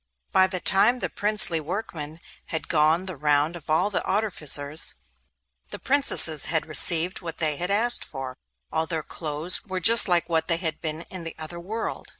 By the time the princely workman had gone the round of all the artificers, the Princesses had received what they had asked for; all their clothes were just like what they had been in the other world.